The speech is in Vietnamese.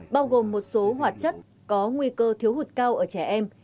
bao gồm một số hoạt chất có nguy cơ thiếu hụt cao ở trẻ em